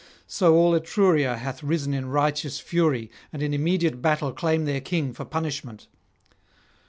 So all Etruria hath risen in righteous fury, and in immediate battle claim their king for punishment.